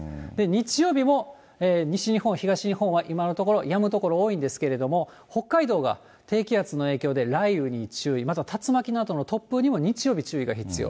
日曜日も西日本、東日本は今のところ、やむ所多いんですけれども、北海道が低気圧の影響で雷雨に注意、また竜巻などの突風にも日曜日、注意が必要。